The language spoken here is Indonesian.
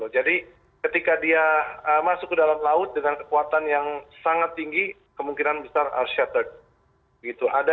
jadi ketika dia masuk ke dalam laut dengan kekuatan yang sangat tinggi kemungkinan besar are shattered